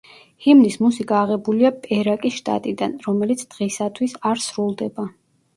ჰიმნის მუსიკა აღებულია პერაკის შტატიდან, რომელიც დღისათვის არ სრულდება.